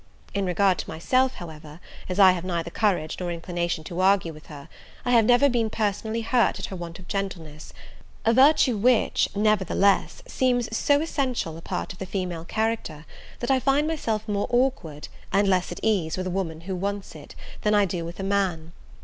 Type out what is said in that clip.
In regard to myself, however, as I have neither courage nor inclination to argue with her, I have never been personally hurt at her want of gentleness; a virtue which, nevertheless, seems so essential a part of the female character, that I find myself more awkward, and less at ease, with a woman who wants it, than I do with a man.